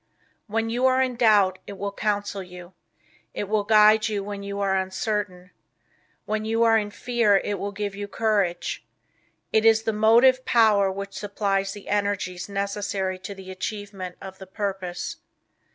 When you are in doubt it will counsel you. It will guide you when you are uncertain. When you are in fear it will give you courage. It is the motive power which supplies the energies necessary to the achievement of the purpose.